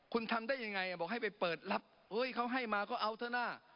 คุณทำได้ยังไงบอกให้ไปเปิดรับเขาให้มาก็เอาเถอะนะ